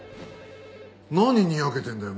何にやけてんだよ